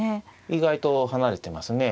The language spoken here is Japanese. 意外と離れてますね。